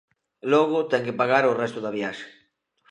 Logo ten que pagar o resto da viaxe.